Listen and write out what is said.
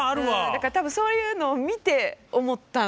だから多分そういうのを見て思ったのかなあ。